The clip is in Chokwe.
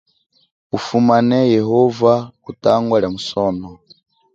Ufumane yehova kutangwa lia musono.